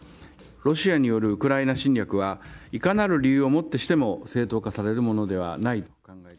ロシアによるウクライナ侵略は、いかなる理由をもってしても正当化されるものではない。